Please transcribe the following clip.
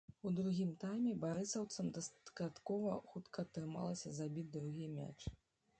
У другім тайме барысаўцам дастаткова хутка атрымалася забіць другі мяч.